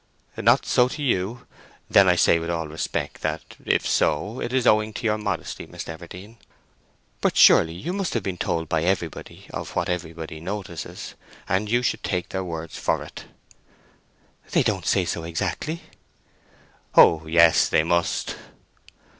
"Not so to you: then I say with all respect that, if so, it is owing to your modesty, Miss Everdene. But surely you must have been told by everybody of what everybody notices? And you should take their words for it." "They don't say so exactly." "Oh yes, they must!"